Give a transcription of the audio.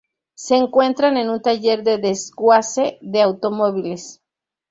Se encuentran en un taller de desguace de automóviles.